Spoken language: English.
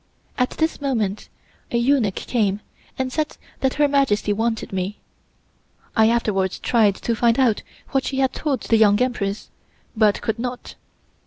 At this moment a eunuch came and said that Her Majesty wanted me. I afterwards tried to find out what she had told the Young Empress but could not.